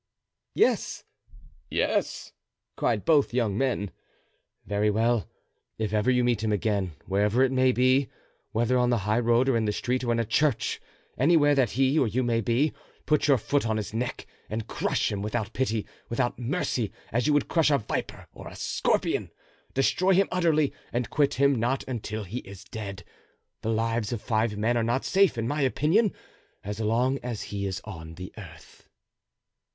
"Yes, yes!" cried both young men. "Very well; if ever you meet him again, wherever it may be, whether on the high road or in the street or in a church, anywhere that he or you may be, put your foot on his neck and crush him without pity, without mercy, as you would crush a viper or a scorpion! destroy him utterly and quit him not until he is dead; the lives of five men are not safe, in my opinion, as long as he is on the earth."